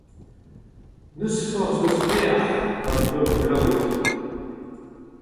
n’eus forzh eus pelec’h, va breur Goulaouig.